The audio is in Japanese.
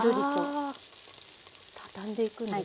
あ畳んでいくんですね。